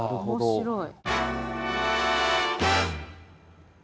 面白い。